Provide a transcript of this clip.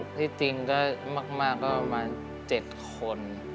คือที่จริงมากก็ประมาณ๗คน